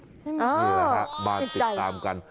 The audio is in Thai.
นี่แหละฮะมาติดตามกัน